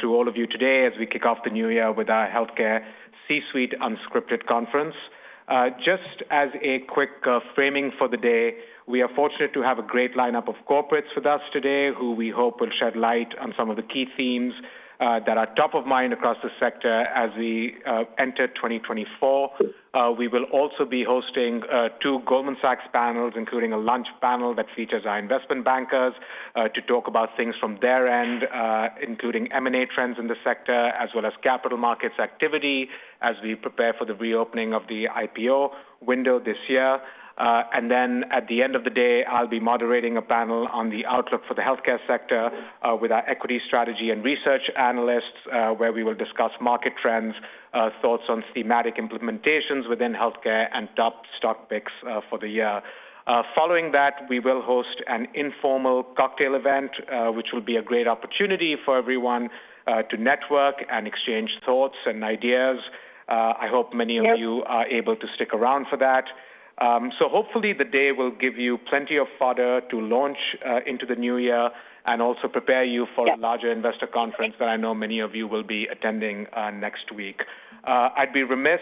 To all of you today as we kick off the new year with our Healthcare C-Suite Unscripted Conference. Just as a quick framing for the day, we are fortunate to have a great lineup of corporates with us today, who we hope will shed light on some of the key themes that are top of mind across the sector as we enter 2024. We will also be hosting two Goldman Sachs panels, including a lunch panel that features our investment bankers to talk about things from their end, including M&A trends in the sector, as well as capital markets activity as we prepare for the reopening of the IPO window this year. Then at the end of the day, I'll be moderating a panel on the outlook for the healthcare sector, with our equity strategy and research analysts, where we will discuss market trends, thoughts on thematic implementations within healthcare and top stock picks, for the year. Following that, we will host an informal cocktail event, which will be a great opportunity for everyone, to network and exchange thoughts and ideas. I hope many of you are able to stick around for that. So hopefully the day will give you plenty of fodder to launch, into the new year and also prepare you for the larger investor conference that I know many of you will be attending, next week. I'd be remiss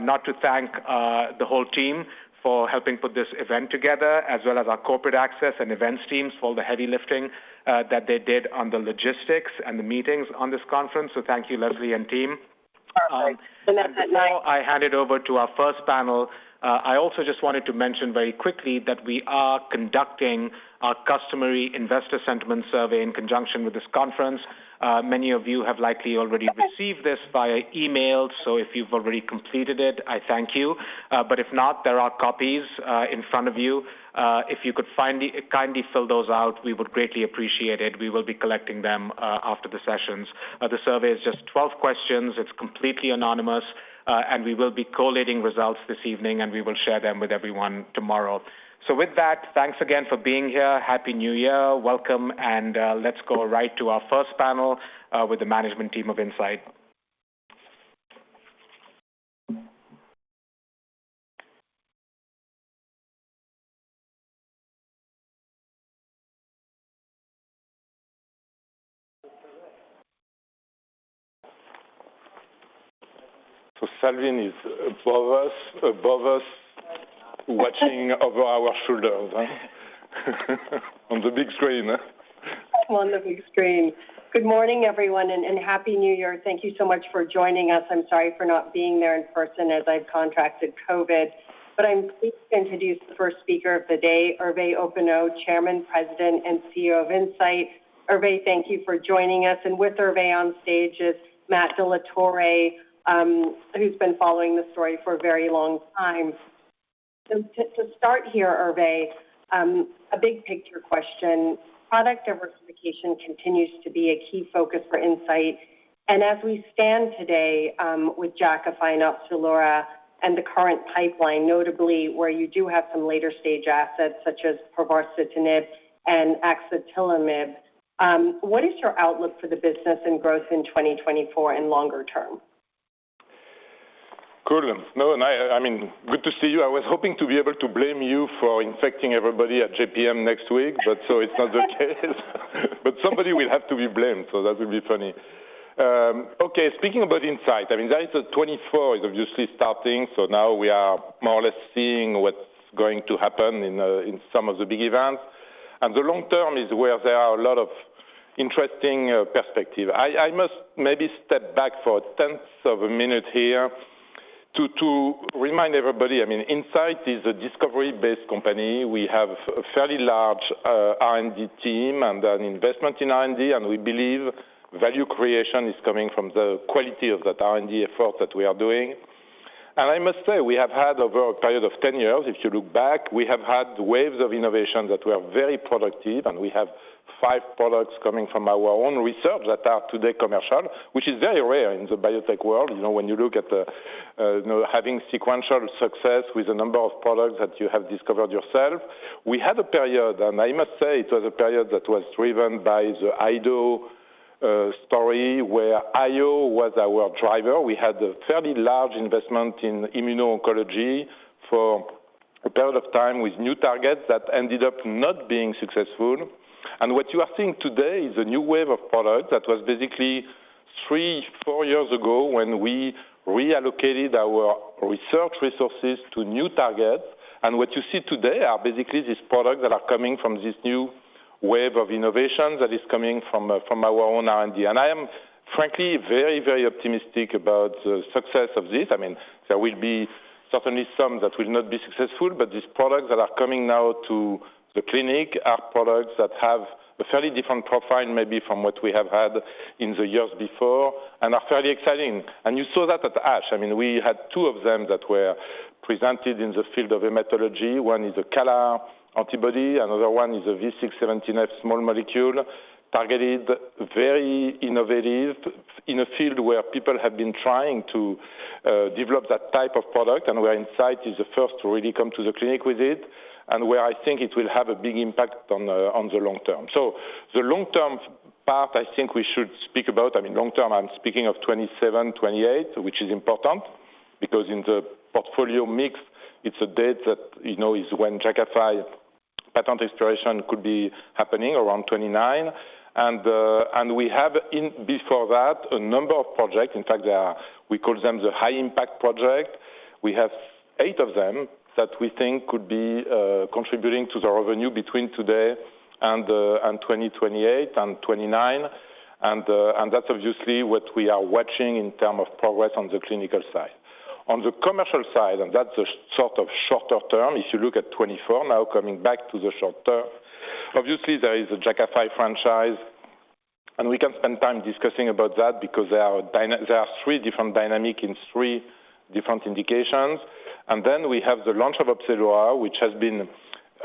not to thank the whole team for helping put this event together, as well as our corporate access and events teams for all the heavy lifting that they did on the logistics and the meetings on this conference. So thank you, Leslie and team. Perfect. And now, I hand it over to our first panel. I also just wanted to mention very quickly that we are conducting our customary investor sentiment survey in conjunction with this conference. Many of you have likely already received this via email, so if you've already completed it, I thank you. But if not, there are copies in front of you. If you could kindly fill those out, we would greatly appreciate it. We will be collecting them after the sessions. The survey is just 12 questions. It's completely anonymous, and we will be collating results this evening, and we will share them with everyone tomorrow. So with that, thanks again for being here. Happy New Year. Welcome, and let's go right to our first panel with the management team of Incyte. Salveen is above us, above us, watching over our shoulders, on the big screen. On the big screen. Good morning, everyone, and Happy New Year. Thank you so much for joining us. I'm sorry for not being there in person, as I've contracted COVID. But I'm pleased to introduce the first speaker of the day, Hervé Hoppenot, Chairman, President, and CEO of Incyte. Hervé, thank you for joining us, and with Hervé on stage is Matt Dellatorre, who's been following this story for a very long time. So to start here, Hervé, a big picture question, product diversification continues to be a key focus for Incyte, and as we stand today, with Jakafi, Opzelura, and the current pipeline, notably where you do have some later-stage assets, such as povorcitinib and axatilimab, what is your outlook for the business and growth in 2024 and longer term? Cool. No, and I mean, good to see you. I was hoping to be able to blame you for infecting everybody at JPM next week, but so it's not the case. But somebody will have to be blamed, so that will be funny. Okay, speaking about Incyte, I mean, that is the 2024 is obviously starting, so now we are more or less seeing what's going to happen in in some of the big events. The long term is where there are a lot of interesting perspective. I must maybe step back for a tenth of a minute here to remind everybody, I mean, Incyte is a discovery-based company. We have a fairly large R&D team and an investment in R&D, and we believe value creation is coming from the quality of that R&D effort that we are doing. I must say, we have had, over a period of 10 years, if you look back, we have had waves of innovation that were very productive, and we have 5 products coming from our own research that are today commercial, which is very rare in the biotech world. You know, when you look at the, you know, having sequential success with a number of products that you have discovered yourself. We had a period, and I must say it was a period that was driven by the IDO story, where IO was our driver. We had a fairly large investment in immuno-oncology for a period of time with new targets that ended up not being successful. And what you are seeing today is a new wave of products that was basically three four years ago when we reallocated our research resources to new targets. What you see today are basically these products that are coming from this new wave of innovation that is coming from our own R&D. I am frankly, very, very optimistic about the success of this. I mean, there will be certainly some that will not be successful, but these products that are coming now to the clinic are products that have a fairly different profile, maybe from what we have had in the years before and are fairly exciting. You saw that at ASH. I mean, we had two of them that were presented in the field of hematology. One is a CAR antibody, another one is a V617F small molecule, targeted, very innovative, in a field where people have been trying to develop that type of product, and where Incyte is the first to really come to the clinic with it, and where I think it will have a big impact on the long term. So the long-term part, I think we should speak about. I mean, long term, I'm speaking of 2027, 2028, which is important... because in the portfolio mix, it's a date that, you know, is when Jakafi patent expiration could be happening around 2029. And we have in before that, a number of projects. In fact, there are, we call them the high impact project. We have eight of them that we think could be contributing to the revenue between today and 2028 and 2029. And that's obviously what we are watching in terms of progress on the clinical side. On the commercial side, and that's a sort of shorter term, if you look at 2024, now coming back to the short term, obviously there is a Jakafi franchise, and we can spend time discussing about that because there are three different dynamics in three different indications. And then we have the launch of Opzelura, which has been,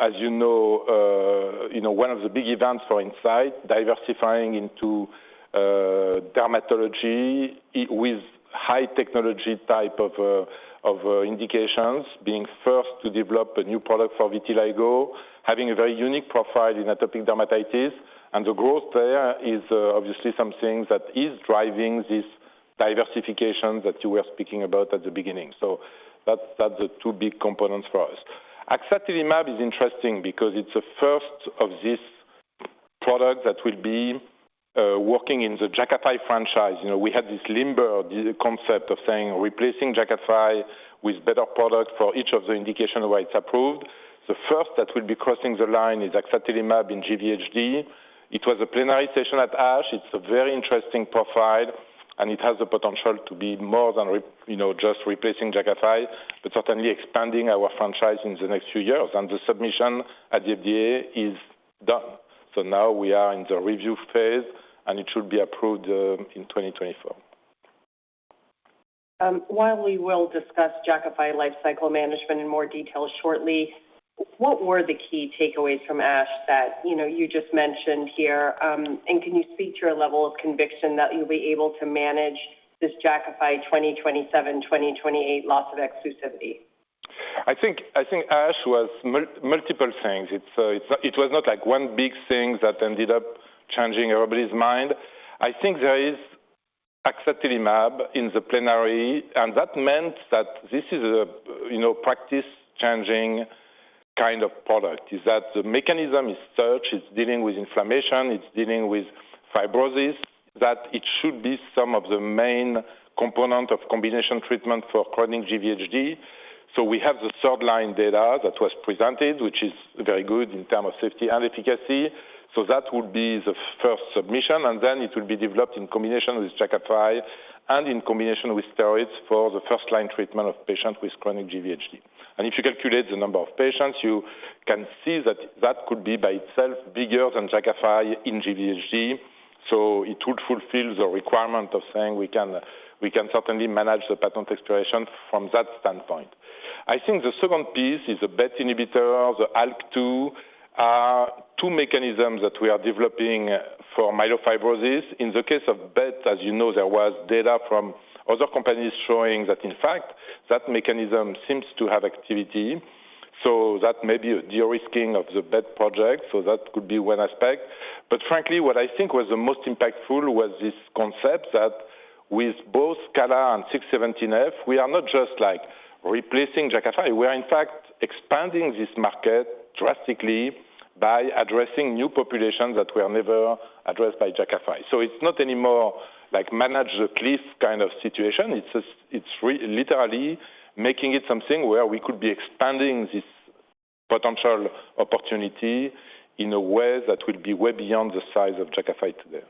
as you know, you know, one of the big events for Incyte, diversifying into dermatology with high technology type of indications, being first to develop a new product for vitiligo, having a very unique profile in atopic dermatitis. The growth there is obviously something that is driving this diversification that you were speaking about at the beginning. So that's, that's the two big components for us. Axatilimab is interesting because it's the first of this product that will be working in the Jakafi franchise. You know, we had this LIMBER, the concept of saying, replacing Jakafi with better products for each of the indication where it's approved. The first that will be crossing the line is axatilimab in GVHD. It was a plenary session at ASH. It's a very interesting profile, and it has the potential to be more than, you know, just replacing Jakafi, but certainly expanding our franchise in the next few years. And the submission at the FDA is done. So now we are in the review phase, and it should be approved in 2024. While we will discuss Jakafi life cycle management in more detail shortly, what were the key takeaways from ASH that, you know, you just mentioned here, and can you speak to your level of conviction that you'll be able to manage this Jakafi 2027, 2028 loss of exclusivity? I think, I think ASH was multiple things. It's, it was not like one big thing that ended up changing everybody's mind. I think there is axatilimab in the plenary, and that meant that this is a, you know, practice-changing kind of product, is that the mechanism is such, it's dealing with inflammation, it's dealing with fibrosis, that it should be some of the main component of combination treatment for chronic GVHD. So we have the third line data that was presented, which is very good in terms of safety and efficacy. So that would be the first submission, and then it will be developed in combination with Jakafi and in combination with steroids for the first-line treatment of patients with chronic GVHD. And if you calculate the number of patients, you can see that that could be by itself, bigger than Jakafi in GVHD. So it would fulfill the requirement of saying, we can, we can certainly manage the patent expiration from that standpoint. I think the second piece is the BET inhibitor, the ALK-2, are two mechanisms that we are developing for myelofibrosis. In the case of BET, as you know, there was data from other companies showing that in fact, that mechanism seems to have activity, so that may be a de-risking of the BET project, so that could be one aspect. But frankly, what I think was the most impactful was this concept that with both CALR and 617F, we are not just like replacing Jakafi. We are in fact expanding this market drastically by addressing new populations that were never addressed by Jakafi. So it's not anymore like manage the cliff kind of situation. It's literally making it something where we could be expanding this potential opportunity in a way that will be way beyond the size of Jakafi today.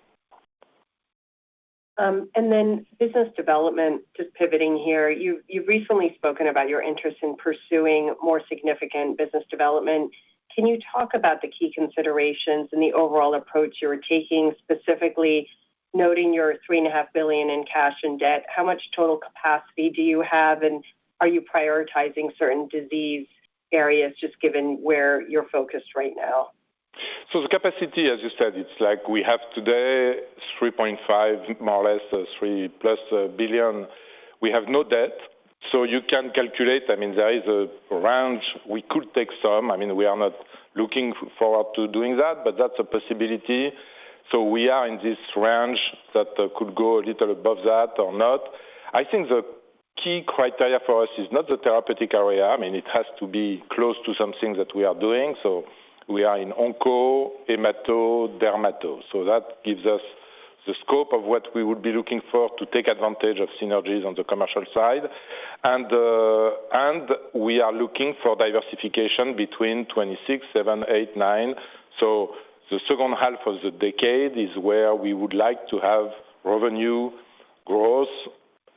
Then business development, just pivoting here. You've recently spoken about your interest in pursuing more significant business development. Can you talk about the key considerations and the overall approach you are taking, specifically noting your $3.5 billion in cash and debt? How much total capacity do you have, and are you prioritizing certain disease areas, just given where you're focused right now? So the capacity, as you said, it's like we have today $3.5 billion, more or less, $3+ billion. We have no debt, so you can calculate. I mean, there is a range. We could take some. I mean, we are not looking forward to doing that, but that's a possibility. So we are in this range that could go a little above that or not. I think the key criteria for us is not the therapeutic area. I mean, it has to be close to something that we are doing. So we are in Onco, Hemato, Dermato. So that gives us the scope of what we would be looking for to take advantage of synergies on the commercial side. And we are looking for diversification between 2026, 2027, 2028, 2029. The second half of the decade is where we would like to have revenue growth,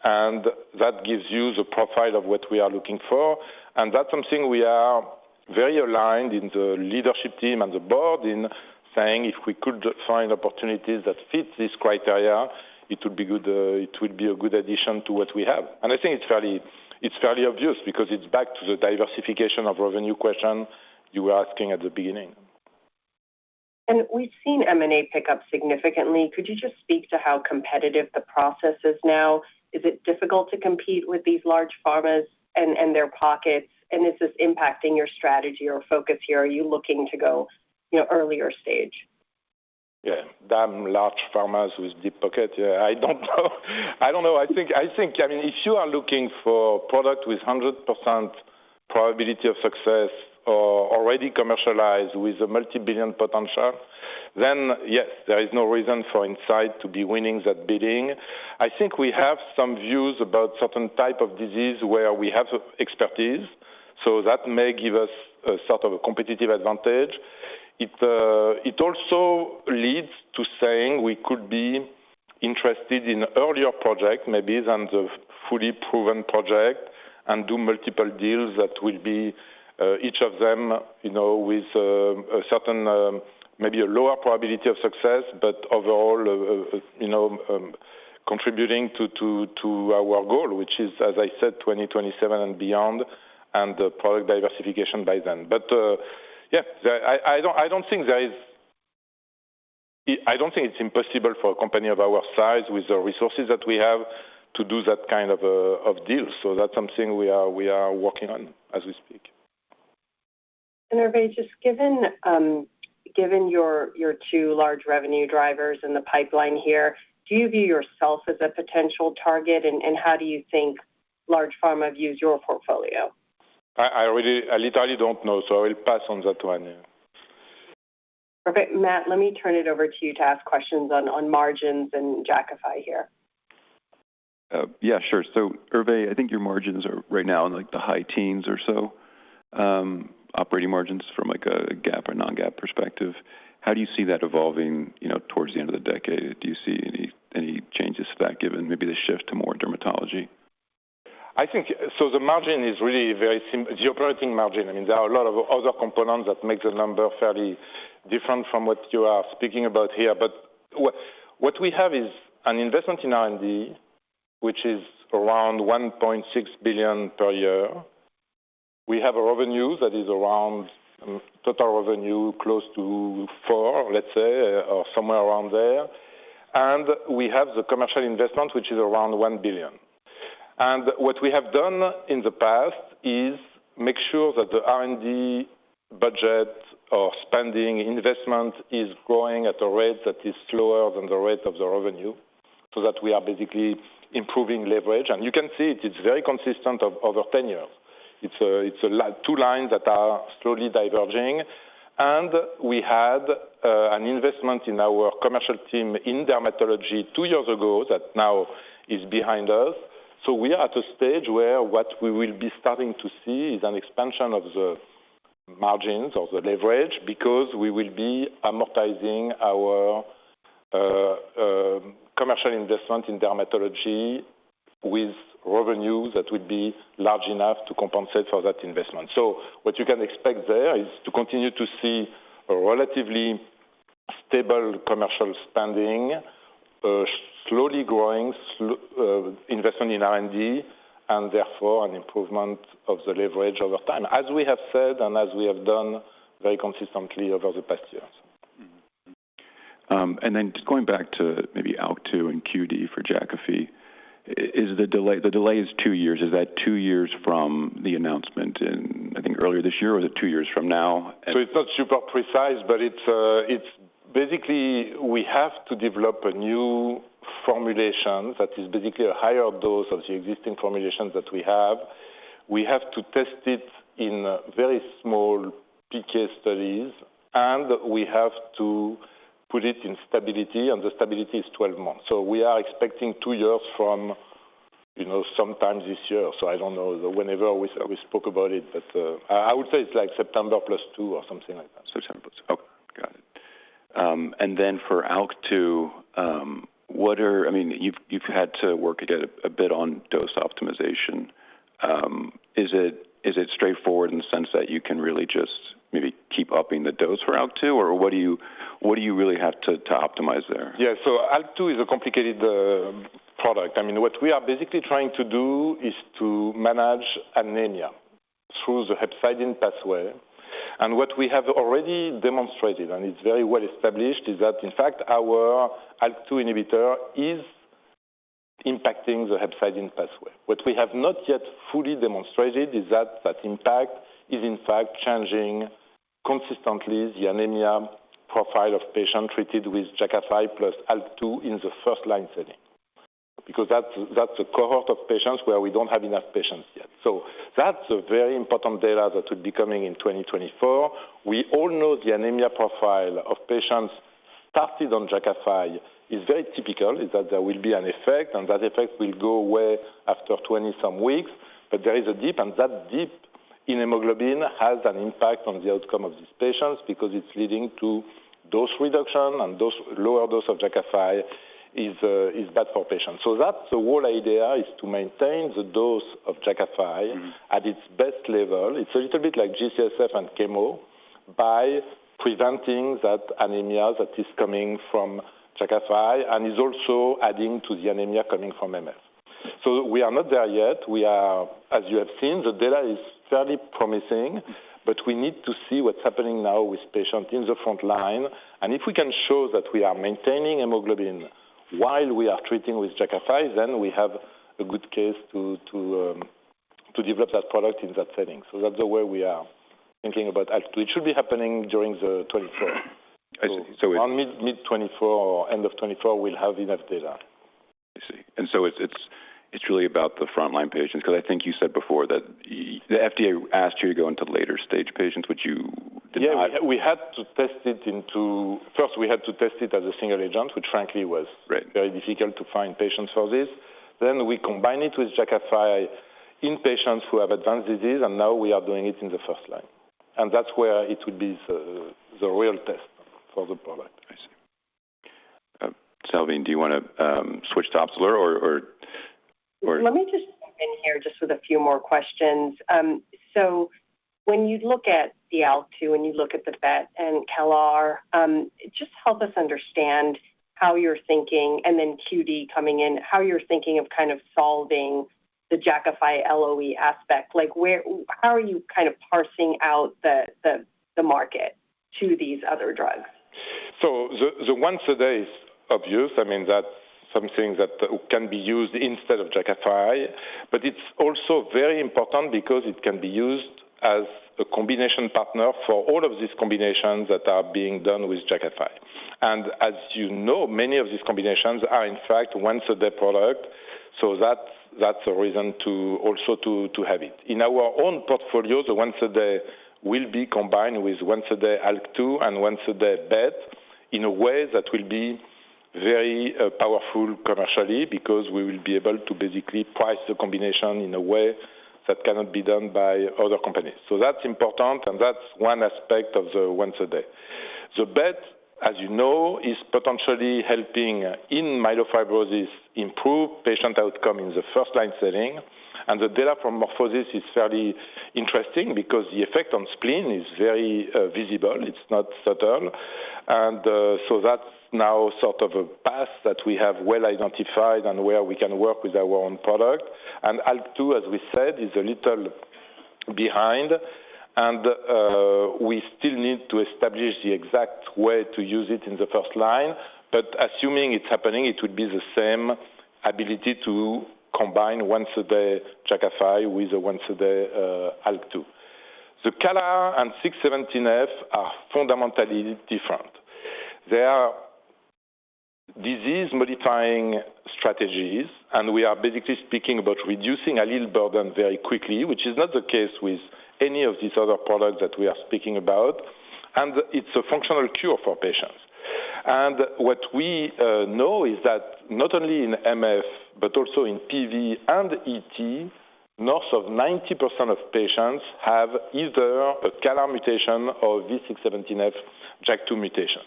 and that gives you the profile of what we are looking for. That's something we are very aligned in the leadership team and the board in saying if we could find opportunities that fit this criteria, it would be good, it would be a good addition to what we have. I think it's fairly obvious because it's back to the diversification of revenue question you were asking at the beginning. And we've seen M&A pick up significantly. Could you just speak to how competitive the process is now? Is it difficult to compete with these large pharmas and their pockets? And is this impacting your strategy or focus here? Are you looking to go, you know, earlier stage?... Yeah, damn large pharmas with deep pocket. Yeah, I don't know. I don't know. I think, I think, I mean, if you are looking for product with 100% probability of success or already commercialized with a multi-billion potential, then yes, there is no reason for Incyte to be winning that bidding. I think we have some views about certain type of disease where we have expertise, so that may give us a sort of a competitive advantage. It, it also leads to saying we could be interested in earlier project maybe than the fully proven project and do multiple deals that will be, each of them, you know, with, a certain, maybe a lower probability of success, but overall, you know, contributing to our goal, which is, as I said, 2027 and beyond, and the product diversification by then. But, yeah, I, I don't, I don't think there is—I don't think it's impossible for a company of our size, with the resources that we have, to do that kind of, of deal. So that's something we are working on as we speak. Hervé, just given your two large revenue drivers in the pipeline here, do you view yourself as a potential target, and how do you think large pharma views your portfolio? I really, I literally don't know, so I'll pass on that one. Yeah. Perfect. Matt, let me turn it over to you to ask questions on margins and Jakafi here. Yeah, sure. So Hervé, I think your margins are right now in, like, the high teens or so, operating margins from, like, a GAAP or non-GAAP perspective. How do you see that evolving, you know, towards the end of the decade? Do you see any changes to that, given maybe the shift to more dermatology? I think so the margin is really very similar—the operating margin, I mean, there are a lot of other components that make the number fairly different from what you are speaking about here. But what we have is an investment in R&D, which is around $1.6 billion per year. We have a revenue that is around total revenue close to $4 billion, let's say, or somewhere around there. And we have the commercial investment, which is around $1 billion. And what we have done in the past is make sure that the R&D budget or spending investment is growing at a rate that is slower than the rate of the revenue, so that we are basically improving leverage. And you can see it. It's very consistent over 10 years. It's a line, two lines that are slowly diverging. We had an investment in our commercial team in dermatology two years ago that now is behind us. So we are at a stage where what we will be starting to see is an expansion of the margins or the leverage because we will be amortizing our commercial investment in dermatology with revenue that would be large enough to compensate for that investment. So what you can expect there is to continue to see a relatively stable commercial spending, slowly growing investment in R&D, and therefore an improvement of the leverage over time, as we have said and as we have done very consistently over the past years. Mm-hmm. And then just going back to maybe ALK-2 and QD for Jakafi, is the delay. The delay is two years. Is that two years from the announcement in, I think, earlier this year, or is it two years from now? And- So it's not super precise, but it's basically, we have to develop a new formulation that is basically a higher dose of the existing formulations that we have. We have to test it in very small PK studies, and we have to put it in stability, and the stability is 12 months. So we are expecting 2 years from, you know, sometime this year. So I don't know whenever we, we spoke about it, but I would say it's like September +2 or something like that. September. Oh, got it. And then for ALK-2, what are... I mean, you've had to work again a bit on dose optimization. Is it straightforward in the sense that you can really just maybe keep upping the dose for ALK-2? Or what do you really have to optimize there? Yeah. So ALK-2 is a complicated product. I mean, what we are basically trying to do is to manage anemia through the hepcidin pathway. And what we have already demonstrated, and it's very well established, is that in fact, our ALK-2 inhibitor is impacting the hepcidin pathway. What we have not yet fully demonstrated is that that impact is in fact changing consistently the anemia profile of patient treated with Jakafi plus ALK-2 in the first-line setting. Because that's, that's a cohort of patients where we don't have enough patients yet. So that's a very important data that will be coming in 2024. We all know the anemia profile of patients started on Jakafi is very typical, is that there will be an effect, and that effect will go away after 20-some weeks. But there is a dip, and that dip in hemoglobin has an impact on the outcome of these patients because it's leading to dose reduction, and dose- lower dose of Jakafi is bad for patients. So that's the whole idea, is to maintain the dose of Jakafi- Mm-hmm. At its best level, it's a little bit like G-CSF and chemo, by preventing that anemia that is coming from Jakafi and is also adding to the anemia coming from MF. So we are not there yet. We are. As you have seen, the data is fairly promising, but we need to see what's happening now with patient in the front line. And if we can show that we are maintaining hemoglobin while we are treating with Jakafi, then we have a good case to to develop that product in that setting. So that's the way we are thinking about it. It should be happening during 2024. I see. In mid-2024 or end of 2024, we'll have enough data. I see. And so it's really about the frontline patients, 'cause I think you said before that the FDA asked you to go into the later stage patients, which you did not. Yeah, we had to test it into... First, we had to test it as a single agent, which frankly, was- Right Very difficult to find patients for this. Then we combine it with Jakafi in patients who have advanced disease, and now we are doing it in the first line, and that's where it would be the real test for the product. I see. Salveen, do you wanna switch to Opzelura or, or, or- Let me just jump in here just with a few more questions. So when you look at the ALK-2 and you look at the BET and CALR, just help us understand how you're thinking, and then QD coming in, how you're thinking of kind of solving the Jakafi LOE aspect. Like, where, how are you kind of parsing out the market to these other drugs? So the once a day is obvious. I mean, that's something that can be used instead of Jakafi, but it's also very important because it can be used as a combination partner for all of these combinations that are being done with Jakafi. And as you know, many of these combinations are, in fact, once a day product, so that's a reason to also have it. In our own portfolio, the once a day will be combined with once a day ALK-2 and once a day BET in a way that will be very powerful commercially because we will be able to basically price the combination in a way that cannot be done by other companies. So that's important, and that's one aspect of the once a day. The BET, as you know, is potentially helping in myelofibrosis, improve patient outcome in the first line setting, and the data from MorphoSys is fairly interesting because the effect on spleen is very, visible. It's not subtle. And, so that's now sort of a path that we have well identified and where we can work with our own product. And ALK-2, as we said, is a little behind, and, we still need to establish the exact way to use it in the first line. But assuming it's happening, it would be the same ability to combine once a day Jakafi with a once a day, ALK-2. The CALR and 617F are fundamentally different. They are disease-modifying strategies, and we are basically speaking about reducing a little burden very quickly, which is not the case with any of these other products that we are speaking about, and it's a functional cure for patients. And what we know is that not only in MF, but also in PV and ET, north of 90% of patients have either a CALR mutation or V617F JAK2 mutation.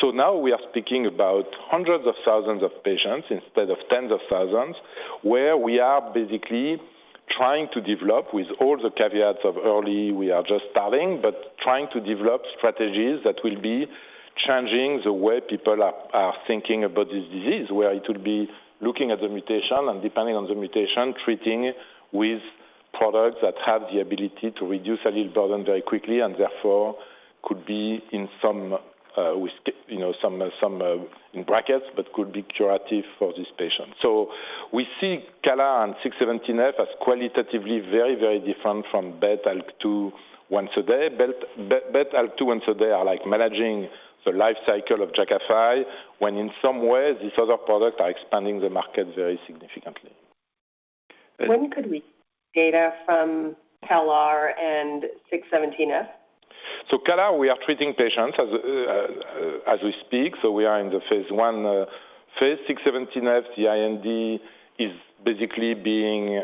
So now we are speaking about hundreds of thousands of patients instead of tens of thousands, where we are basically trying to develop with all the caveats of early. We are just starting, but trying to develop strategies that will be changing the way people are thinking about this disease, where it will be looking at the mutation and depending on the mutation, treating with products that have the ability to reduce allele burden very quickly, and therefore could be in some, with, you know, some, some, in brackets, but could be curative for this patient. So we see CALR and 617F as qualitatively very, very different from BET, ALK-2, once a day. BET, BET, ALK-2, once a day, are like managing the life cycle of Jakafi, when in some ways, these other products are expanding the market very significantly. When could we see data from CALR and 617F? So CALR, we are treating patients as we speak, so we are in phase one. V617F, the IND is basically being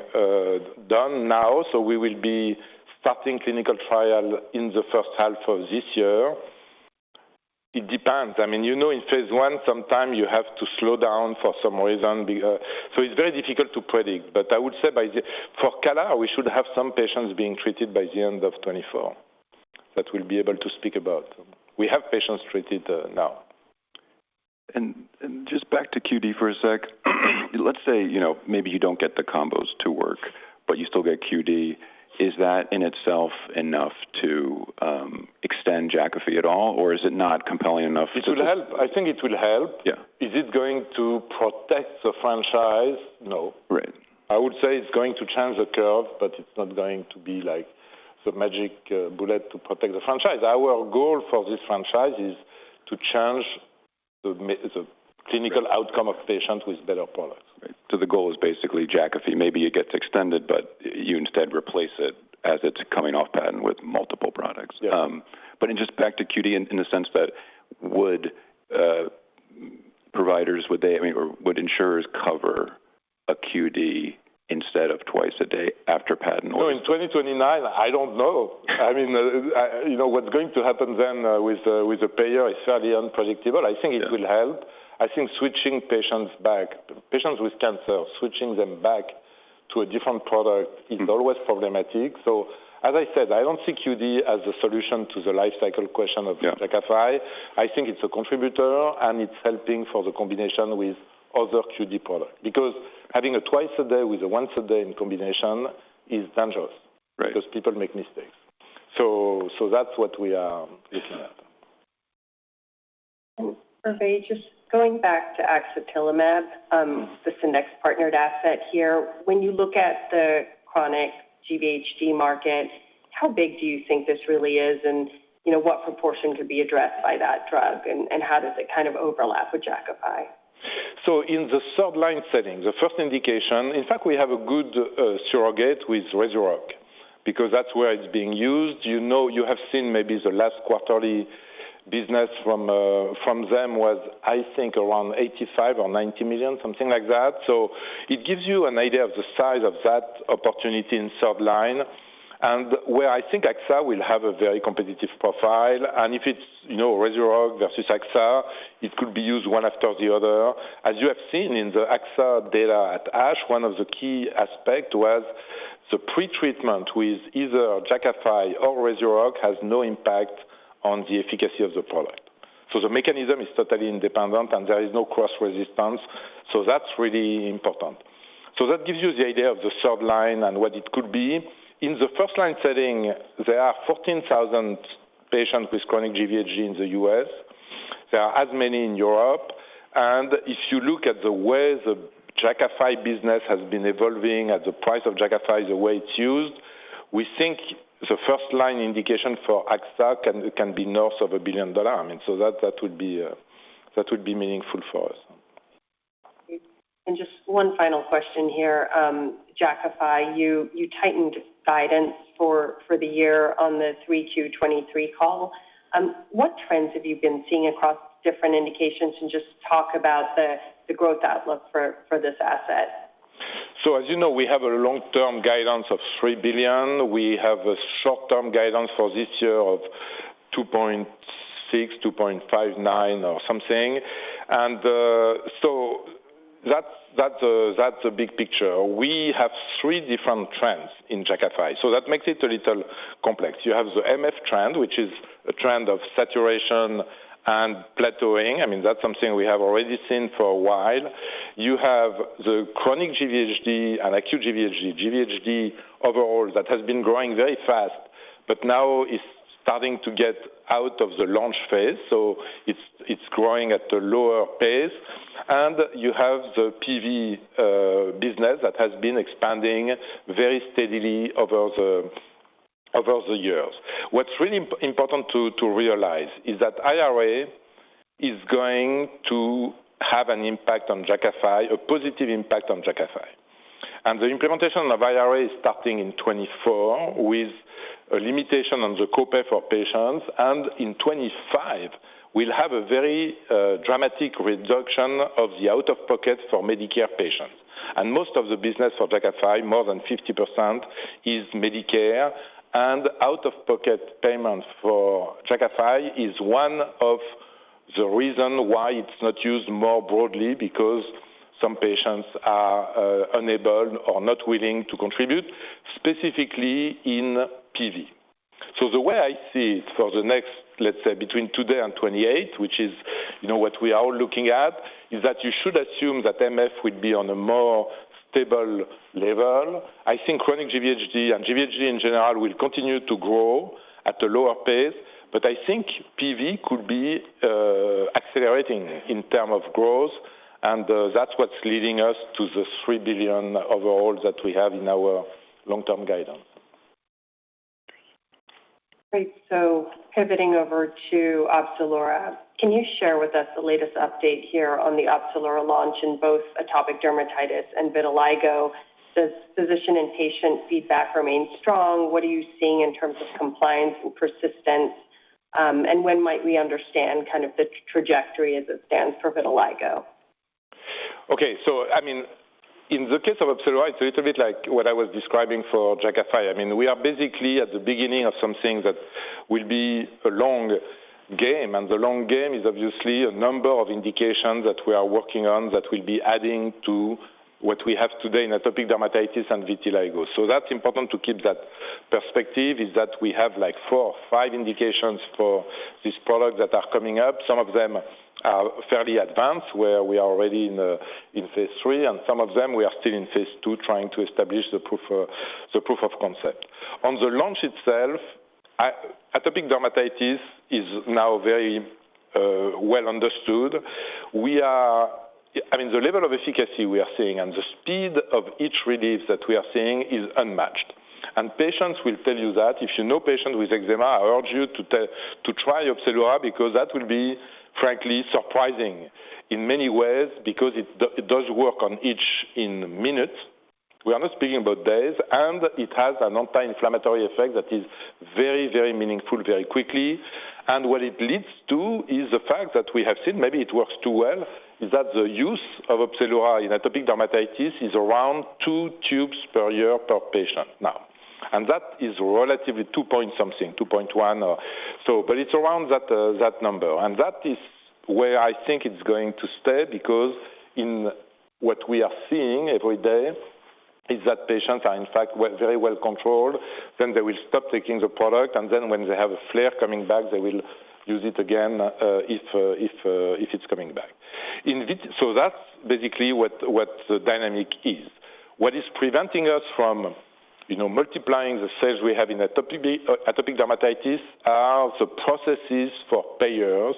done now, so we will be starting clinical trial in the first half of this year. It depends. I mean, you know, in phase one, sometime you have to slow down for some reason. So it's very difficult to predict, but I would say for CALR, we should have some patients being treated by the end of 2024, that we'll be able to speak about. We have patients treated now. Just back to QD for a sec, let's say, you know, maybe you don't get the combos to work, but you still get QD. Is that in itself enough to extend Jakafi at all, or is it not compelling enough? It will help. I think it will help. Yeah. Is it going to protect the franchise? No. Right. I would say it's going to change the curve, but it's not going to be like the magic bullet to protect the franchise. Our goal for this franchise is to change the Right... clinical outcome of patients with better products. Right. So the goal is basically Jakafi. Maybe it gets extended, but you instead replace it as it's coming off patent with multiple products. Yeah. But just back to QD, in the sense that, would providers, I mean, or would insurers cover a QD instead of twice a day after patent? So in 2029, I don't know. I mean, you know, what's going to happen then with the payer is fairly unpredictable. Yeah. I think it will help. I think switching patients back, patients with cancer, switching them back to a different product- Mm-hmm. is always problematic. So as I said, I don't see QD as a solution to the life cycle question of- Yeah Jakafi. I think it's a contributor, and it's helping for the combination with other QD products. Because having a twice a day with a once a day in combination is dangerous. Right Because people make mistakes. So, that's what we are looking at.... Hervé, just going back to axatilimab, this index partnered asset here. When you look at the chronic GVHD market, how big do you think this really is? And, you know, what proportion could be addressed by that drug, and, and how does it kind of overlap with Jakafi? So in the third-line setting, the first indication, in fact, we have a good surrogate with Rezurock, because that's where it's being used. You know, you have seen maybe the last quarterly business from them was, I think, around $85-$90 million, something like that. So it gives you an idea of the size of that opportunity in third line and where I think axatilimab will have a very competitive profile. And if it's, you know, Rezurock versus axatilimab, it could be used one after the other. As you have seen in the axatilimab data at ASH, one of the key aspect was the pretreatment with either Jakafi or Rezurock has no impact on the efficacy of the product. So the mechanism is totally independent, and there is no cross resistance. So that's really important. That gives you the idea of the third line and what it could be. In the first-line setting, there are 14,000 patients with chronic GVHD in the U.S. There are as many in Europe, and if you look at the way the Jakafi business has been evolving, at the price of Jakafi, the way it's used, we think the first-line indication for axatilimab can be north of $1 billion. I mean, that would be meaningful for us. Just one final question here. Jakafi, you, you tightened guidance for, for the year on the 3Q 2023 call. What trends have you been seeing across different indications, and just talk about the, the growth outlook for, for this asset? So as you know, we have a long-term guidance of $3 billion. We have a short-term guidance for this year of $2.6 billion, $2.59 billion or something. So that's the big picture. We have three different trends in Jakafi, so that makes it a little complex. You have the MF Trend, which is a trend of saturation and plateauing. I mean, that's something we have already seen for a while. You have the chronic GVHD and acute GVHD. GVHD overall, that has been growing very fast, but now it's starting to get out of the launch phase, so it's growing at a lower pace. And you have the PV business that has been expanding very steadily over the years. What's really important to realize is that IRA is going to have an impact on Jakafi, a positive impact on Jakafi. The implementation of IRA is starting in 2024, with a limitation on the copay for patients, and in 2025, we'll have a very dramatic reduction of the out-of-pocket for Medicare patients. Most of the business for Jakafi, more than 50%, is Medicare, and out-of-pocket payments for Jakafi is one of the reason why it's not used more broadly, because some patients are unable or not willing to contribute, specifically in PV. The way I see it for the next, let's say, between today and 2028, which is, you know, what we are all looking at, is that you should assume that MF will be on a more stable level. I think chronic GVHD and GVHD in general will continue to grow at a lower pace, but I think PV could be accelerating in terms of growth, and that's what's leading us to the $3 billion overall that we have in our long-term guidance. Great. So pivoting over to Opzelura, can you share with us the latest update here on the Opzelura launch in both atopic dermatitis and vitiligo? Does physician and patient feedback remain strong? What are you seeing in terms of compliance and persistence, and when might we understand kind of the trajectory as it stands for vitiligo? Okay. So I mean, in the case of Opzelura, it's a little bit like what I was describing for Jakafi. I mean, we are basically at the beginning of something that will be a long game, and the long game is obviously a number of indications that we are working on that we'll be adding to what we have today in atopic dermatitis and vitiligo. So that's important to keep that perspective, is that we have, like, four or five indications for these products that are coming up. Some of them are fairly advanced, where we are already in phase three, and some of them we are still in phase two, trying to establish the proof of concept. On the launch itself, atopic dermatitis is now very well understood. We are... I mean, the level of efficacy we are seeing and the speed of itch relief that we are seeing is unmatched, and patients will tell you that. If you know patients with eczema, I urge you to try Opzelura, because that will be frankly surprising in many ways, because it does work on itch in minutes. We are not speaking about days, and it has an anti-inflammatory effect that is very, very meaningful, very quickly. And what it leads to is the fact that we have seen, maybe it works too well, is that the use of Opzelura in atopic dermatitis is around two tubes per year, per patient now, and that is relatively two point something, 2.1 or so, but it's around that, that number. That is where I think it's going to stay, because in what we are seeing every day is that patients are, in fact, well, very well controlled. Then they will stop taking the product, and then when they have a flare coming back, they will use it again, if it's coming back. In vitiligo, so that's basically what the dynamic is. What is preventing us from, you know, multiplying the sales we have in atopic dermatitis are the processes for payers,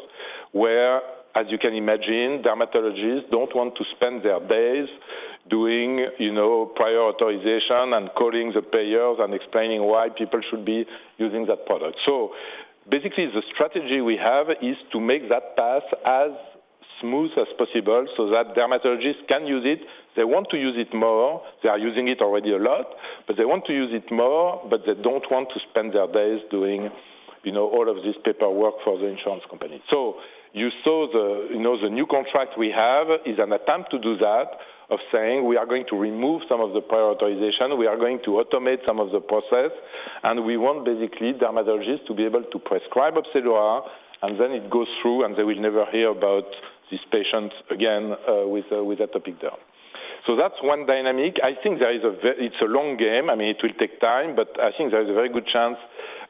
where, as you can imagine, dermatologists don't want to spend their days doing, you know, prior authorization and calling the payers and explaining why people should be using that product. So basically, the strategy we have is to make that path as smooth as possible so that dermatologists can use it. They want to use it more. They are using it already a lot, but they want to use it more, but they don't want to spend their days doing, you know, all of this paperwork for the insurance company. So you saw the, you know, the new contract we have is an attempt to do that, of saying, "We are going to remove some of the prior authorization. We are going to automate some of the process, and we want, basically, dermatologists to be able to prescribe Opzelura, and then it goes through, and they will never hear about these patients again with atopic derm." So that's one dynamic. I think there is it's a long game. I mean, it will take time, but I think there is a very good chance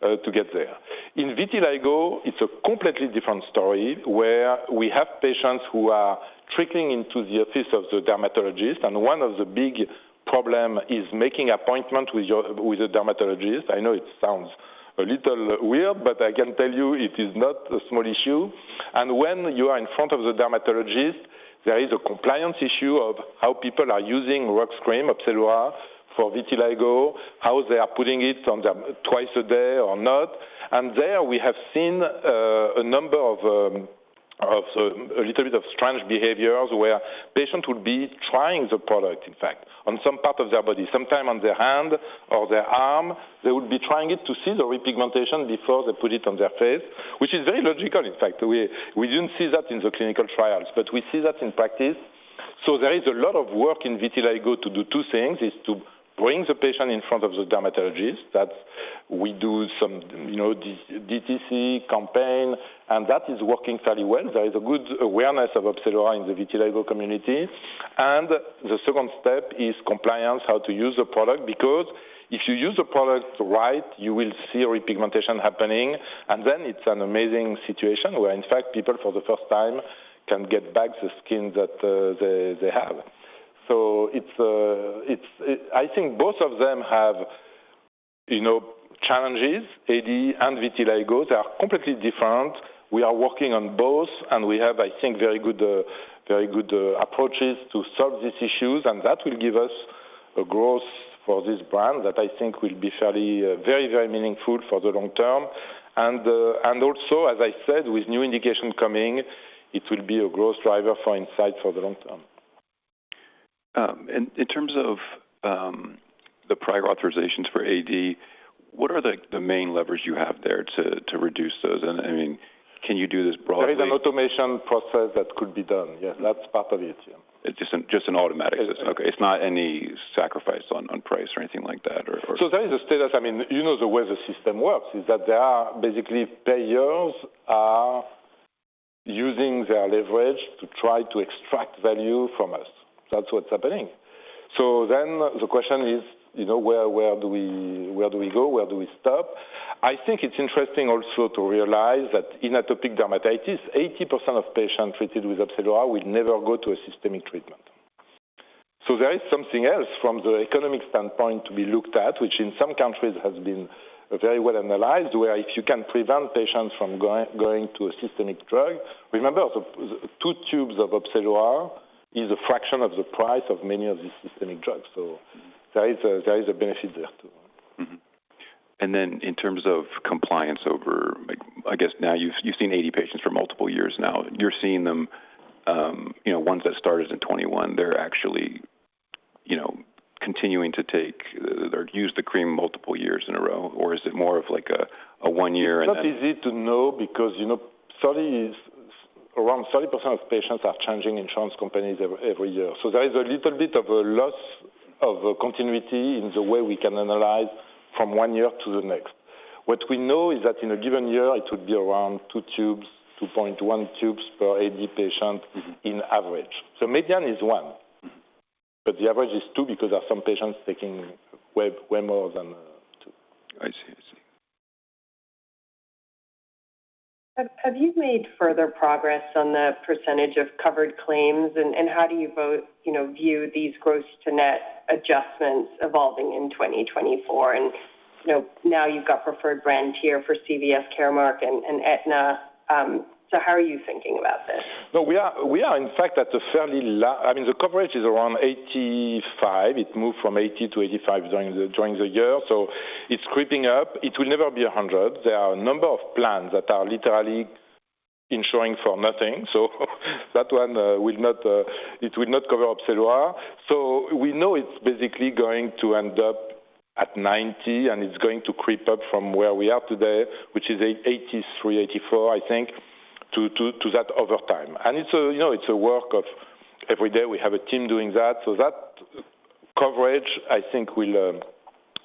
to get there. In vitiligo, it's a completely different story, where we have patients who are trickling into the office of the dermatologist, and one of the big problem is making appointment with a dermatologist. I know it sounds a little weird, but I can tell you it is not a small issue. When you are in front of the dermatologist, there is a compliance issue of how people are using RUX cream, Opzelura, for vitiligo, how they are putting it on them twice a day or not. And there, we have seen a number of a little bit of strange behaviors, where patient would be trying the product, in fact, on some part of their body, sometime on their hand or their arm. They would be trying it to see the repigmentation before they put it on their face, which is very logical, in fact. We didn't see that in the clinical trials, but we see that in practice. So there is a lot of work in vitiligo to do two things, is to bring the patient in front of the dermatologist, that we do some, you know, DTC campaign, and that is working fairly well. There is a good awareness of Opzelura in the vitiligo community. And the second step is compliance, how to use the product, because if you use the product right, you will see repigmentation happening. And then it's an amazing situation where, in fact, people for the first time can get back the skin that they have. So it's. I think both of them have, you know, challenges, AD and vitiligo. They are completely different. We are working on both, and we have, I think, very good approaches to solve these issues, and that will give us a growth for this brand that I think will be fairly, very, very meaningful for the long term. And also, as I said, with new indication coming, it will be a growth driver for Incyte for the long term. In terms of the prior authorizations for AD, what are the main levers you have there to reduce those? I mean, can you do this broadly? There is an automation process that could be done. Yes, that's part of it, yeah. It's just an automatic system. Yeah. Okay. It's not any sacrifice on price or anything like that, or? So there is a status... I mean, you know the way the system works, is that there are basically payers are using their leverage to try to extract value from us. That's what's happening. So then the question is, you know, where do we go? Where do we stop? I think it's interesting also to realize that in atopic dermatitis, 80% of patients treated with Opzelura will never go to a systemic treatment. So there is something else from the economic standpoint to be looked at, which in some countries has been very well analyzed, where if you can prevent patients from going to a systemic drug... Remember, also, two tubes of Opzelura is a fraction of the price of many of these systemic drugs, so there is a benefit there, too. Mm-hmm. And then in terms of compliance over, like, I guess now you've seen AD patients for multiple years now. You're seeing them, you know, ones that started in 2021, they're actually, you know, continuing to take or use the cream multiple years in a row, or is it more of like a one year and then- It's not easy to know because, you know, 30 around 30% of patients are changing insurance companies every year. So there is a little bit of a loss of continuity in the way we can analyze from one year to the next. What we know is that in a given year, it would be around two tubes, 2.1 tubes per AD patient in average. So median is one- Mm-hmm. - but the average is two, because there are some patients taking way, way more than two. I see. I see. Have you made further progress on the percentage of covered claims, and how do you both, you know, view these gross to net adjustments evolving in 2024? You know, now you've got preferred brand tier for CVS Caremark and Aetna. So how are you thinking about this? No, we are, in fact, at a fairly late—I mean, the coverage is around 85%. It moved from 80% to 85% during the year, so it's creeping up. It will never be 100%. There are a number of plans that are literally insuring for nothing, so that one will not cover Opzelura. So we know it's basically going to end up at 90%, and it's going to creep up from where we are today, which is 83%, 84%, I think, to that over time. And it's a, you know, it's a work of every day. We have a team doing that. So that coverage, I think, will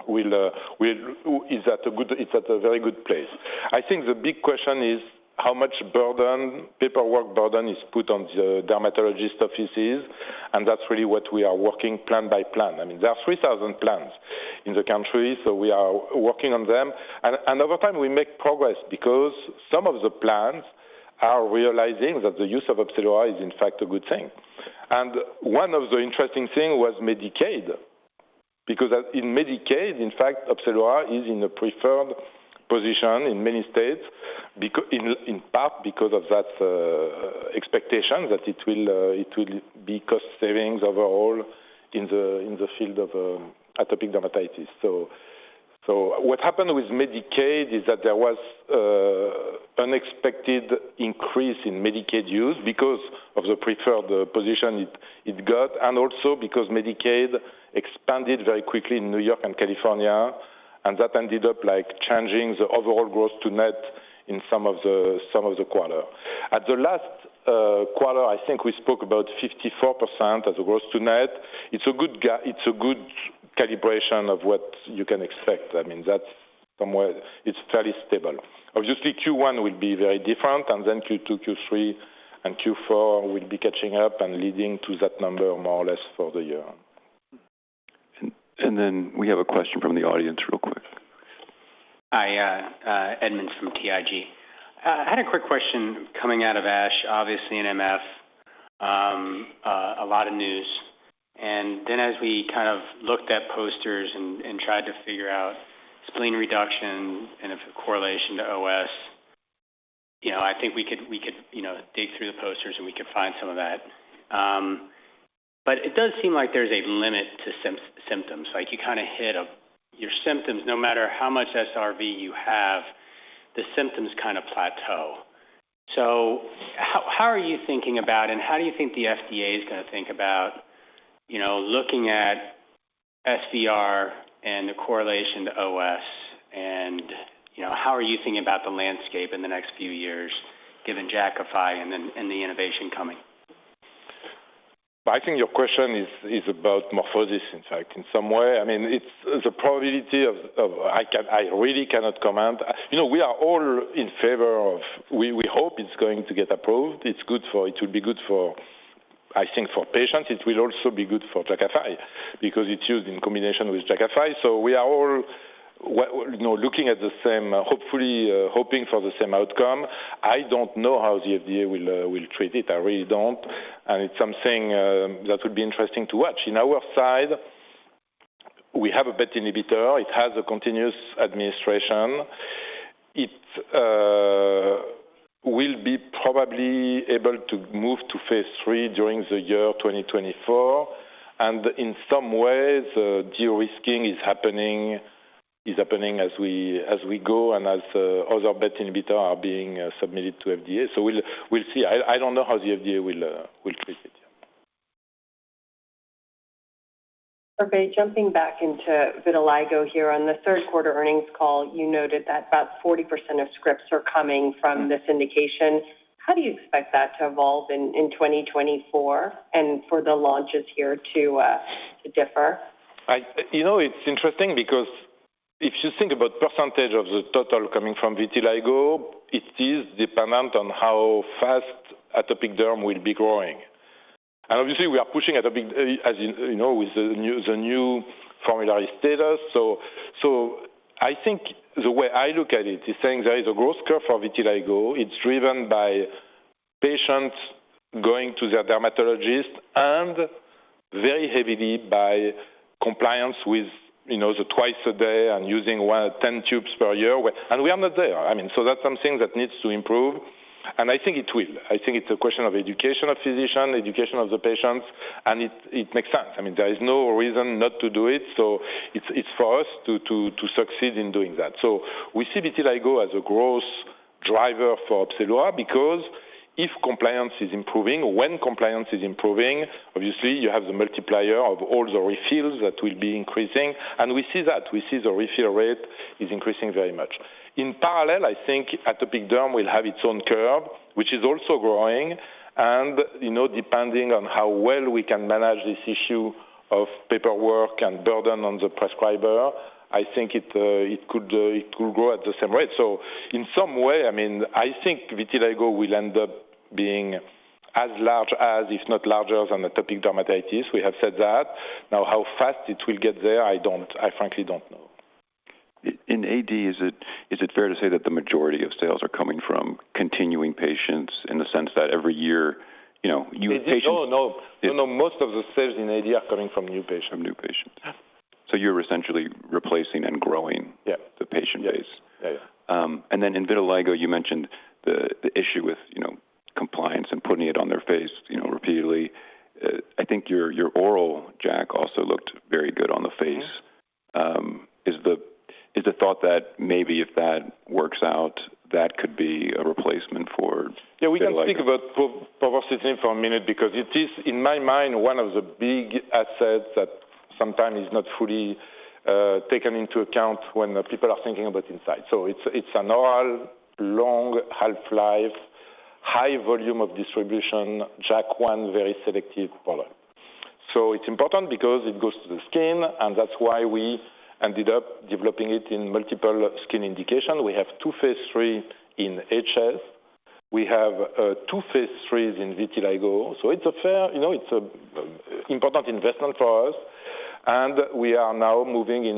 be at a good—it's at a very good place. I think the big question is: How much burden, paperwork burden, is put on the dermatologist offices? And that's really what we are working plan by plan. I mean, there are 3,000 plans in the country, so we are working on them. And over time, we make progress because some of the plans are realizing that the use of Opzelura is, in fact, a good thing. And one of the interesting thing was Medicaid, because as in Medicaid, in fact, Opzelura is in a preferred position in many states, in part, because of that expectation that it will, it will be cost savings overall in the field of atopic dermatitis. So, what happened with Medicaid is that there was an unexpected increase in Medicaid use because of the preferred position it got, and also because Medicaid expanded very quickly in New York and California, and that ended up, like, changing the overall gross to net in some of the quarter. At the last quarter, I think we spoke about 54% as a gross to net. It's a good calibration of what you can expect. I mean, that's somewhere... It's fairly stable. Obviously, Q1 will be very different, and then Q2, Q3, and Q4 will be catching up and leading to that number more or less for the year. And then we have a question from the audience real quick. Hi, Edmund from TIG. I had a quick question coming out of ASH, obviously, in MF, a lot of news. And then, as we kind of looked at posters and tried to figure out spleen reduction and its correlation to OS, you know, I think we could, you know, dig through the posters, and we could find some of that. But it does seem like there's a limit to symptoms. Like, you kind of hit your symptoms, no matter how much SRV you have, the symptoms kind of plateau. So how, how are you thinking about, and how do you think the FDA is gonna think about, you know, looking at SVR and the correlation to OS, and, you know, how are you thinking about the landscape in the next few years, given Jakafi and then, and the innovation coming? I think your question is about MorphoSys, in fact, in some way. I mean, I really cannot comment. You know, we are all in favor of... We hope it's going to get approved. It's good for it will be good for, I think, for patients. It will also be good for Jakafi because it's used in combination with Jakafi. So we are all, you know, looking at the same, hopefully, hoping for the same outcome. I don't know how the FDA will treat it. I really don't, and it's something that would be interesting to watch. In our side, we have a BET inhibitor. It has a continuous administration. It will be probably able to move to phase 3 during the year 2024, and in some ways, the de-risking is happening, is happening as we, as we go and as other BET inhibitor are being submitted to FDA. So we'll, we'll see. I don't know how the FDA will treat it. Hervé, jumping back into vitiligo here. On the third quarter earnings call, you noted that about 40% of scripts are coming from this indication. How do you expect that to evolve in 2024 and for the launches here to differ? You know, it's interesting because if you think about percentage of the total coming from vitiligo, it is dependent on how fast atopic derm will be growing. And obviously, we are pushing atopic, as you know, with the new formulary status. So I think the way I look at it is saying there is a growth curve for vitiligo. It's driven by patients going to their dermatologist and very heavily by compliance with, you know, the twice a day and using one to ten tubes per year. And we are not there. I mean, so that's something that needs to improve, and I think it will. I think it's a question of education of physician, education of the patients, and it makes sense. I mean, there is no reason not to do it, so it's for us to succeed in doing that. So we see vitiligo as a growth driver for Opzelura because if compliance is improving, or when compliance is improving, obviously you have the multiplier of all the refills that will be increasing, and we see that. We see the refill rate is increasing very much. In parallel, I think atopic derm will have its own curve, which is also growing. And, you know, depending on how well we can manage this issue of paperwork and burden on the prescriber, I think it could grow at the same rate. So in some way, I mean, I think vitiligo will end up being as large as, if not larger, than atopic dermatitis. We have said that. Now, how fast it will get there, I frankly don't know. In AD, is it fair to say that the majority of sales are coming from continuing patients in the sense that every year, you know, you- No, no. No, most of the sales in AD are coming from new patients. From new patients? Yeah. So you're essentially replacing and growing- Yeah. the patient base. Yeah. Yeah. And then in vitiligo, you mentioned the issue with, you know, compliance and putting it on their face, you know, repeatedly. I think your oral JAK also looked very good on the face. Mm-hmm. Is the thought that maybe if that works out, that could be a replacement for vitiligo? Yeah, we can speak about povorcitinib for a minute because it is, in my mind, one of the big assets that sometimes is not fully taken into account when people are thinking about Incyte. So it's an oral, long half-life, high volume of distribution, JAK1, very selective product. So it's important because it goes to the skin, and that's why we ended up developing it in multiple skin indications. We have two phase 3s in HS. We have two phase 3s in vitiligo. So it's a fair, you know, it's an important investment for us, and we are now moving in,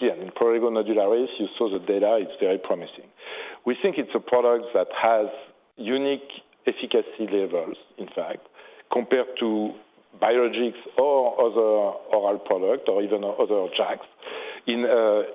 yeah, in prurigo nodularis. You saw the data, it's very promising. We think it's a product that has unique efficacy levels, in fact, compared to biologics or other oral products or even other JAKs in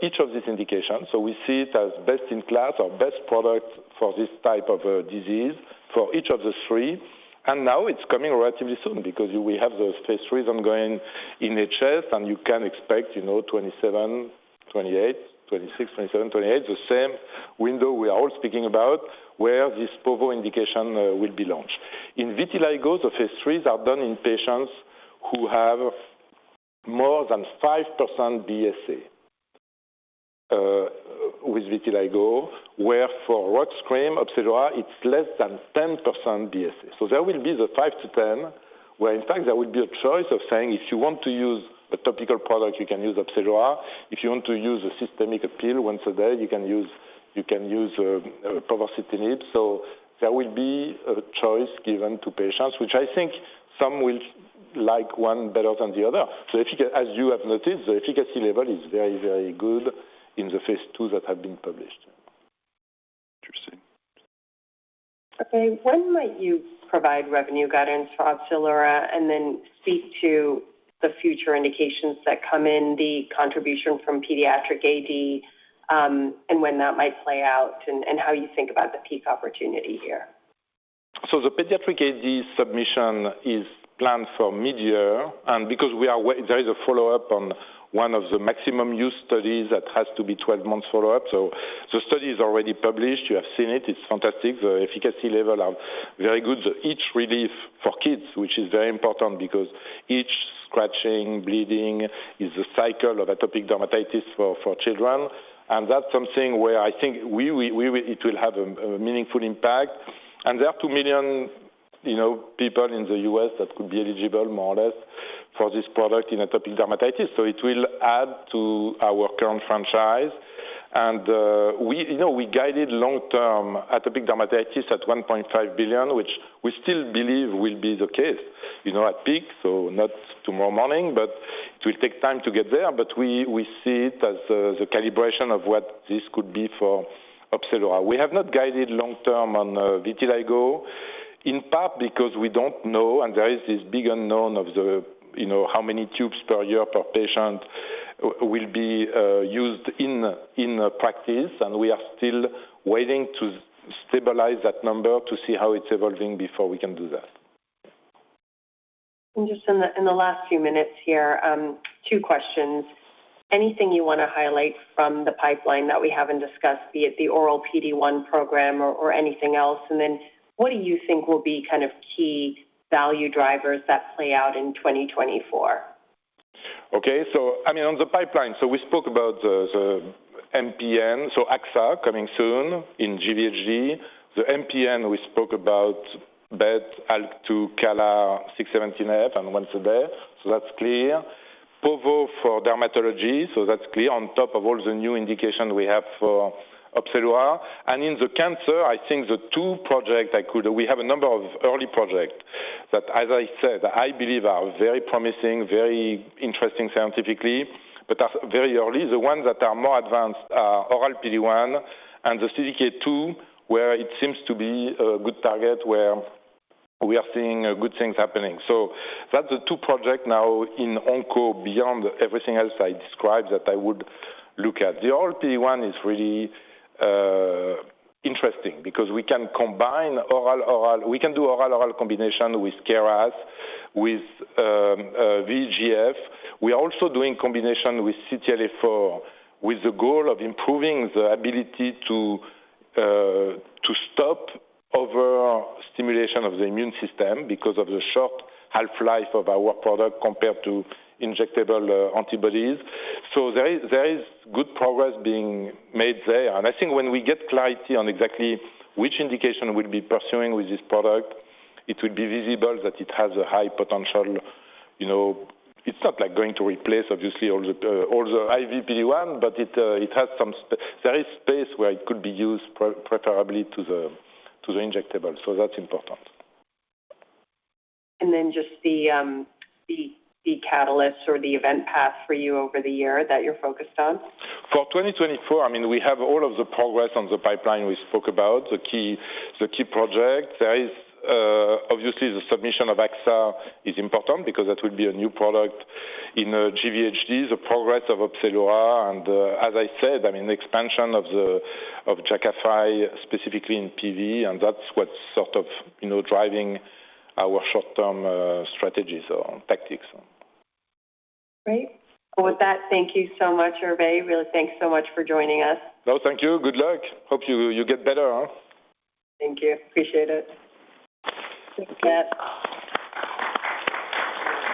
each of these indications. We see it as best in class or best product for this type of disease for each of the three. Now it's coming relatively soon because we have those phase 3s ongoing in HS, and you can expect, you know, 2027, 2028, 2026, 2027, 2028, the same window we are all speaking about, where this povorcitinib indication will be launched. In vitiligo, the phase 3s are done in patients who have more than 5% BSA with vitiligo, where for ruxolitinib cream Opzelura, it's less than 10% BSA. There will be the 5%-10%, where in fact, there will be a choice of saying, "If you want to use a topical product, you can use Opzelura. If you want to use a systemic appeal once a day, you can use, you can use, povorcitinib." So there will be a choice given to patients, which I think some will like one better than the other. So efficacy as you have noticed, the efficacy level is very, very good in the phase 2 that have been published. Interesting. Okay, when might you provide revenue guidance for Opzelura, and then speak to the future indications that come in, the contribution from pediatric AD, and when that might play out, and how you think about the peak opportunity here? So the pediatric AD submission is planned for midyear, and because we are waiting, there is a follow-up on one of the maximum use studies that has to be 12 months follow-up. So the study is already published. You have seen it, it's fantastic. The efficacy level are very good. The itch relief for kids, which is very important because itch, scratching, bleeding is the cycle of atopic dermatitis for children, and that's something where I think we will it will have a meaningful impact. And there are 2 million, you know, people in the U.S. that could be eligible, more or less, for this product in atopic dermatitis. So it will add to our current franchise. And we... You know, we guided long-term atopic dermatitis at $1.5 billion, which we still believe will be the case, you know, at peak. So not tomorrow morning, but it will take time to get there. But we see it as the calibration of what this could be for Opzelura. We have not guided long-term on vitiligo, in part because we don't know, and there is this big unknown of, you know, how many tubes per year, per patient will be used in practice, and we are still waiting to stabilize that number to see how it's evolving before we can do that. Just in the last few minutes here, two questions. Anything you want to highlight from the pipeline that we haven't discussed, be it the oral PD-1 program or anything else? And then what do you think will be kind of key value drivers that play out in 2024? Okay. So I mean, on the pipeline, so we spoke about the MPN, so axatilimab coming soon in GVHD. The MPN, we spoke about that ALK-2 CALR V617F and once a day. So that's clear. Povorcitinib for dermatology, so that's clear, on top of all the new indication we have for Opzelura. And in the cancer, I think the two projects I could... We have a number of early project that, as I said, I believe are very promising, very interesting scientifically, but are very early. The ones that are more advanced are oral PD-1 and the CDK2, where it seems to be a good target, where we are seeing good things happening. So that's the two project now in Onco, beyond everything else I described, that I would look at. The oral PD-1 is really interesting because we can combine oral-oral—we can do oral-oral combination with KRAS, with VEGF. We are also doing combination with CTLA-4, with the goal of improving the ability to stop overstimulation of the immune system because of the short half-life of our product compared to injectable antibodies. So there is, there is good progress being made there. And I think when we get clarity on exactly which indication we'll be pursuing with this product, it will be visible that it has a high potential. You know, it's not like going to replace, obviously, all the all the IV PD-1, but it has some space where it could be used preferably to the injectable. So that's important. And then just the catalyst or the event path for you over the year that you're focused on? For 2024, I mean, we have all of the progress on the pipeline we spoke about, the key, the key project. There is, obviously, the submission of axatilimab is important because that will be a new product in GVHD, the progress of Opzelura, and, as I said, I mean, the expansion of the, of Jakafi, specifically in PV, and that's what's sort of, you know, driving our short-term strategies or tactics. Great. Well, with that, thank you so much, Hervé. Really, thanks so much for joining us. No, thank you. Good luck. Hope you get better, huh? Thank you. Appreciate it. Thanks for that.